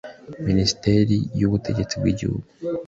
Minisiteri y Ubutegetsi bw Igihugu